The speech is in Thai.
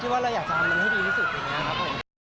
ที่ว่าเราอยากจะทำให้ดีที่สุดเลยนะครับผม